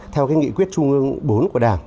theo cái nghị quyết chung bốn của đảng